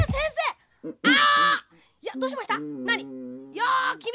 「いやきみ